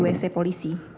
kamar mandi polisi